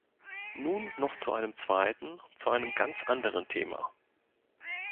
Nun noch zu einem zweiten, zu einem ganz anderen Thema.